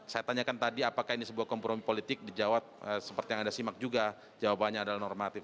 saya tanyakan tadi apakah ini sebuah kompromi politik di jawa seperti yang anda simak juga jawabannya adalah normatif